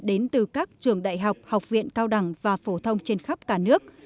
đến từ các trường đại học học viện cao đẳng và phổ thông trên khắp cả nước